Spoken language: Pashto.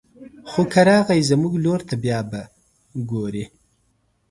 خو که راغی زموږ لور ته بيا به ګوري